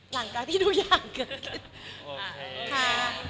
หลังจากที่ทุกอย่างเกิดขึ้นค่ะ